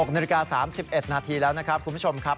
๖นาฬิกา๓๑นาทีแล้วนะครับคุณผู้ชมครับ